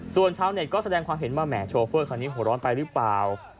ส่วนชาวเน็ตก็แสดงความเห็นว่าแหมโชเฟอร์คันนี้หัวร้อนไปหรือเปล่า